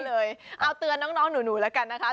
เอาเตือนน้องหนูแล้วกันนะคะ